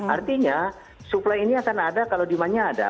artinya supply ini akan ada kalau demandnya ada